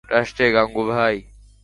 Vote আসছে গাঙুবাই।